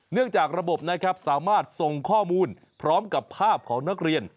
จากระบบนะครับสามารถส่งข้อมูลพร้อมกับภาพของนักเรียน